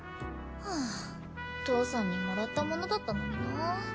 はぁ父さんにもらったものだったのにな。